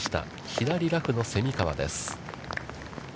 左ラフの蝉川です。